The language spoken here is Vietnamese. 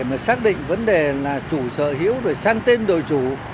chúng ta đã xác định vấn đề là chủ sở hữu rồi sang tên đội chủ